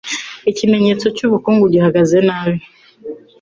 ikimenyetso cy'ubukungu buhagaze nabi.